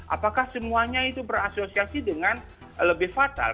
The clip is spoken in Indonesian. apakah semuanya itu berasosiasi dengan lebih fatal